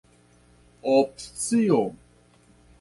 opcio